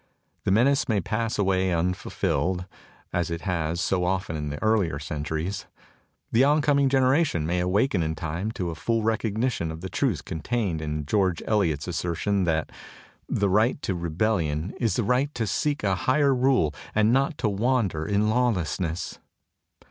The menace may pass away unfulfilled, as it has so often in the earlier centuries. The oncoming generation may awaken in time to a full recognition of the truth contained in George Eliot's assertion that "the right to rebellion is the right to seek a higher rule and not to wander in lawlessness."